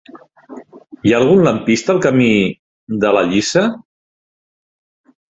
Hi ha algun lampista al camí de la Lliça?